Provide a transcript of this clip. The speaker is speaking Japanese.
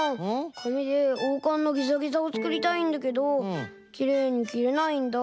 かみでおうかんのギザギザをつくりたいんだけどきれいにきれないんだ。